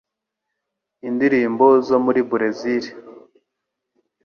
indirimbo zo muri Burezili,